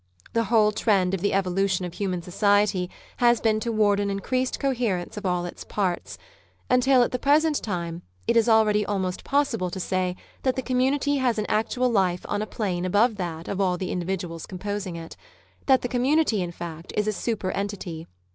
The whole trend of the evolution of human society has been toward an increased coherence of all its parts, until at the present time it is already almost possible to say that the community has an actual life on a plane above that of all the individuals composing it : that the community, in fact, is a super entity.